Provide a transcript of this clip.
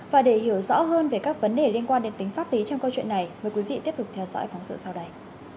và để hiểu rõ hơn về các vấn đề liên quan đến tính pháp lý trong câu chuyện này mời quý vị tiếp tục theo dõi phóng sự sau đây